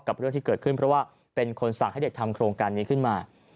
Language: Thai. เรื่องที่เกิดขึ้นเพราะว่าเป็นคนสั่งให้เด็กทำโครงการนี้ขึ้นมา